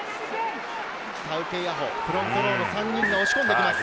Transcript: タウケイアホ、フロントロール、３人で押し込んできます。